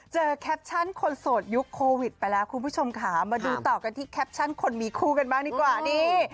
แคปชั่นคนโสดยุคโควิดไปแล้วคุณผู้ชมค่ะมาดูต่อกันที่แคปชั่นคนมีคู่กันบ้างดีกว่านี่